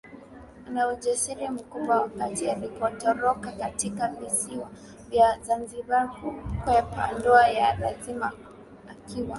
na ujasiri mkubwa wakati alipotoroka katika visiwa vya Zanzibar kukwepa ndoa ya lazima akiwa